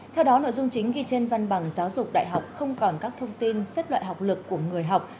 theo đó nội dung chính ghi trên văn bằng giáo dục đại học không còn các thông tin xếp loại học lực của người học